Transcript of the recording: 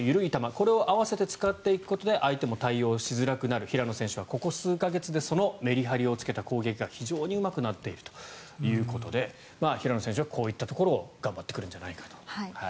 これを合わせて使っていくことで相手も対応しづらくなる平野選手は、ここ数か月でそのメリハリをつけた攻撃が非常にうまくなっているということで平野選手はこういったところを頑張ってくるんじゃないかと。